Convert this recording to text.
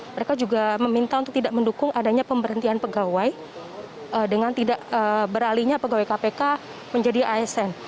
mereka juga meminta untuk tidak mendukung adanya pemberhentian pegawai dengan tidak beralihnya pegawai kpk menjadi asn